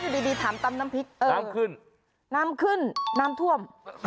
อยู่ดีถามตำน้ำพริกเออน้ำขึ้นน้ำขึ้นน้ำท่วม